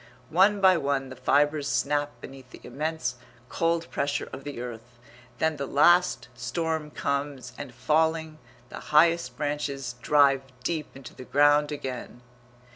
One by one the fibres snap beneath the immense cold pressure of the earth, then the last storm comes and, falling, the highest branches drive deep into the ground again.